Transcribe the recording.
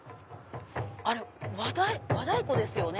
あれ和太鼓ですよね。